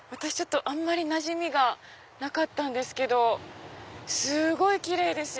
私なじみがなかったんですけどすごいキレイですよ。